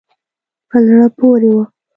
په زړه پورې وه.